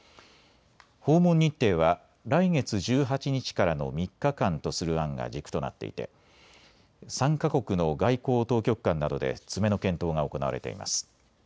訪問日程は来月１８日からの３日間とする案が軸となっていて３か国の外交当局間などで詰めの検討が行われています。